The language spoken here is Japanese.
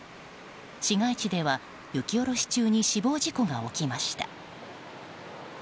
市街地では、雪下ろし中に死亡事故が起きました。